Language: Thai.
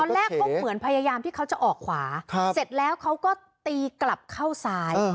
แรกเขาเหมือนพยายามที่เขาจะออกขวาเสร็จแล้วเขาก็ตีกลับเข้าซ้าย